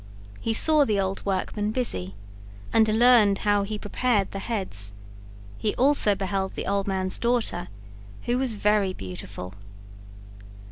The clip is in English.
He saw the old workman busy, and learned how he prepared the heads; he also beheld the old man's daughter, who was very beautiful.